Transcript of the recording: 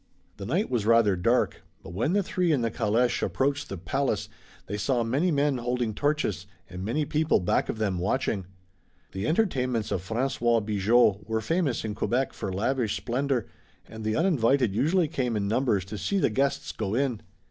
The night was rather dark, but when the three in the caleche approached the palace they saw many men holding torches, and many people back of them watching. The entertainments of François Bigot were famous in Quebec for lavish splendor, and the uninvited usually came in numbers to see the guests go in.